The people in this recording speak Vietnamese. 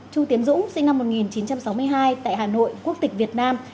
chu tiến dũng sinh năm một nghìn chín trăm sáu mươi hai tại hà nội quốc tịch việt nam